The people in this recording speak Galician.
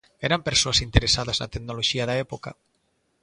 Eran persoas interesadas na tecnoloxía da época.